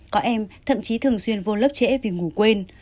có em thậm chí thường xuyên vô lớp trễ vì ngủ quên